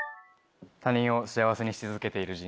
「他人を幸せにし続けている人生」。